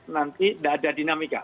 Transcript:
nanti nggak ada dinamika